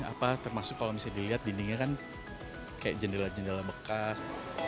apa termasuk kalau misalnya dilihat dindingnya kan kayak jendela jendela bekas